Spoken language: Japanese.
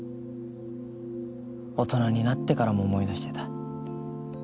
大人になってからも思い出してた。